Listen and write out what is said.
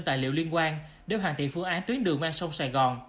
tài liệu liên quan để hoàn thiện phương án tuyến đường ven sông sài gòn